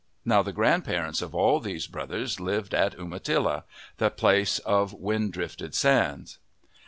Now the grandparents of all these brothers lived at Umatilla, the place of wind drifted sands.